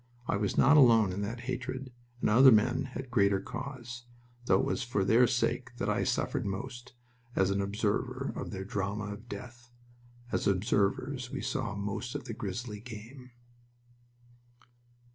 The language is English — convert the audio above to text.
I was not alone in that hatred, and other men had greater cause, though it was for their sake that I suffered most, as an observer of their drama of death... As observers we saw most of the grisly game.